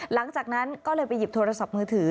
หลังจากนั้นก็เลยไปหยิบโทรศัพท์มือถือ